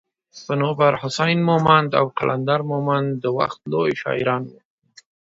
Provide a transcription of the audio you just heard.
صنوبر حسين مومند او قلندر مومند دا وخت لوي شاعران وو